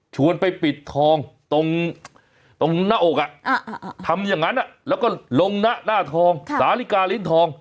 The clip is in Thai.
ไปปิดทองตรงหน้าอกทำอย่างนั้นแล้วก็ลงหน้าทองสาลิกาลิ้นทอง